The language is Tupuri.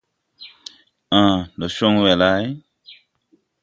Ãã, ndɛ cɔŋ wɛ lay.